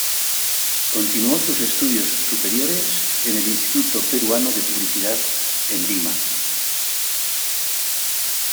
Continuó sus estudios superiores en el Instituto Peruano de Publicidad en Lima.